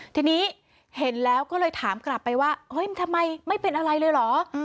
ทีนี้เห็นแล้วก็เลยถามกลับไปว่าเฮ้ยทำไมไม่เป็นอะไรเลยเหรอ